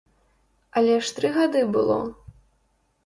Але ж тры гады было.